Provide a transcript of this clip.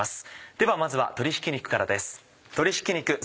ではまずは鶏ひき肉からです。